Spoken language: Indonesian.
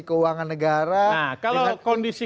keuangan negara nah kalau kondisi